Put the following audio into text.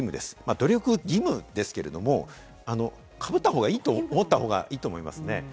努力義務ですけれども、かぶった方がいいと思った方がいいと思います。